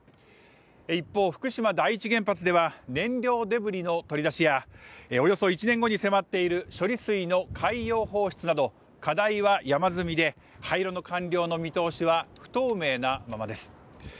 一方福島第１原発では燃料デブリの取り出しやおよそ１年後に迫っている処理水の海洋放出など課題は山積みで廃炉の完了の見通しは不透明なままです